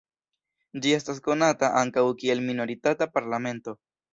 Ĝi estas konata ankaŭ kiel minoritata parlamento.